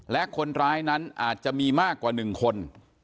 และคนร้ายนั้นอาจจะมีมากกว่า๑คน